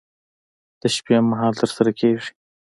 د شپې مهال ترسره کېږي.